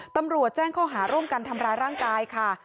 ตำรวจแจ้งข้อหาร่วมกันทำร้ายร่างกายค่ะ